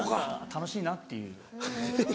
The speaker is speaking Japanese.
楽しいなっていう。